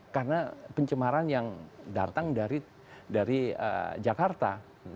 karena pencemaran yang datang dari jakarta